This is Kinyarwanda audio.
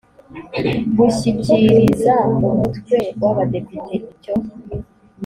gushyikiriza umutwe w abadepite icyo